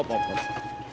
umpur dong